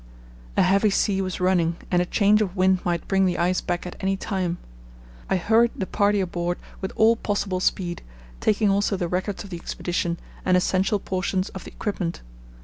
A heavy sea was running and a change of wind might bring the ice back at any time. I hurried the party aboard with all possible speed, taking also the records of the Expedition and essential portions of equipment.